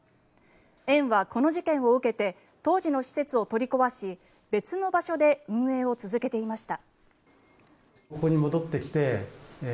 園は、この事件を受けて当時の施設を取り壊し別の場所で運営を続けていました。